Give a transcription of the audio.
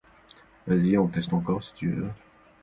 A third film will also be produced.